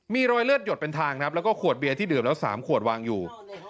มีรอยเลือดหยดเป็นทางครับแล้วก็ขวดเบียร์ที่ดื่มแล้ว๓ขวดวางอยู่